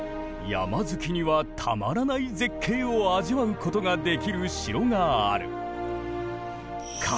山好きにはたまらない絶景を味わうことができる城がある。